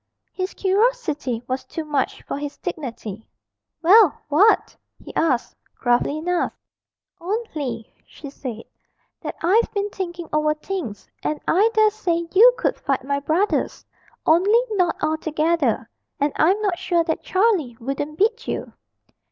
His curiosity was too much for his dignity. 'Well what?' he asked, gruffly enough. 'Only,' she said, 'that I've been thinking over things, and I dare say you could fight my brothers only not all together and I'm not sure that Charlie wouldn't beat you.'